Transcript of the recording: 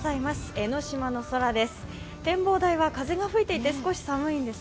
江の島の空です。